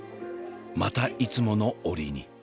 またいつものオリィに。